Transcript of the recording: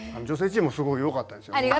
女性チームもすごいよかったですよ。